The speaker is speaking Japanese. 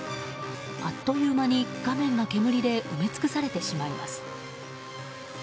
あっという間に画面が煙で埋め尽くされてしまいます。